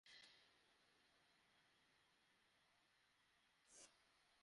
Zika ভাইরাসে আক্রান্ত নারীর গর্ভস্থ শিশুর মস্তিষ্ক অপরিপক্ব থেকে যাওয়ার ঝুঁকি থাকে।